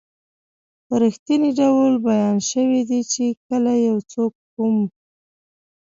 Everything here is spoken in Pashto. په رښتني ډول بیان شوي دي چې کله یو څوک کوم